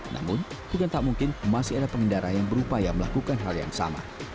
namun bukan tak mungkin masih ada pengendara yang berupaya melakukan hal yang sama